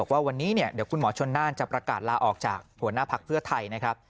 ว่าวันนี้เดี๋ยวคุณหมอชนน่านจะประกาศลาออกจากหัวหน้าพักเพื่อไทยนะครับ